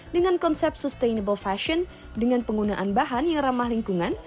dengan konsep sustainable fashion dengan penggunaan bahan yang ramah lingkungan